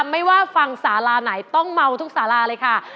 ไม่ว่าฟังสาราไหนต้องเมาทุกสาราเลยค่ะ